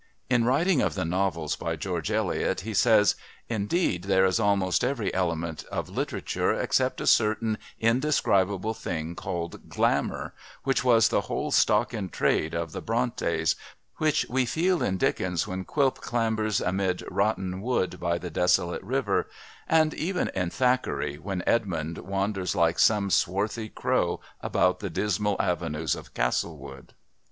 In writing of the novels by George Eliot he says: "Indeed there is almost every element of literature, except a certain indescribable thing called Glamour, which was the whole stock in trade of the Brontës, which we feel in Dickens when Quilp clambers amid rotten wood by the desolate river; and even in Thackeray, when Edmond wanders like some swarthy crow about the dismal avenues of Castlewood."